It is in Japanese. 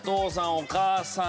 お母さん。